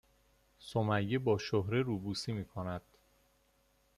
سمیه با شهره روبوسی میکند